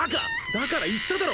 だから言っただろ！